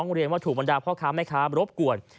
ร้องเรียนว่าถูกบันดามพ่อค้าไม่คะรบก่วน